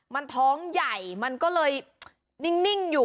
มันท้องใหญ่มันก็เลยนิ่งอยู่